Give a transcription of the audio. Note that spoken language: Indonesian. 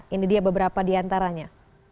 ini dia beberapa di antaranya